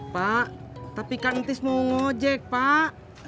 pak tapi kan entis mau ngojek pak